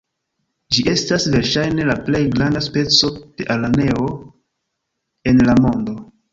Ĝi estas verŝajne la plej granda speco de araneo en la mondo.